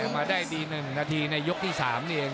มาได้๑นาทีในยกที่๓เนี่ย